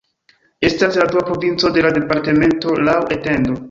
Estas la dua provinco de la departamento laŭ etendo.